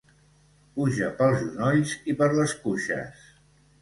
Puja pels genolls i per les cuixes.